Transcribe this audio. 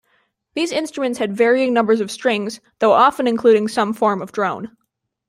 These instruments had varying numbers of strings, though often including some form of drone.